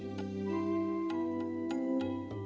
janganlah kau berguna